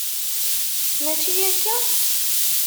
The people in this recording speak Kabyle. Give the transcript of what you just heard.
Mačči akka?